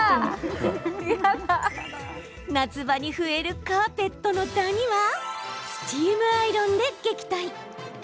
夏場に増えるカーペットのダニはスチームアイロンで撃退。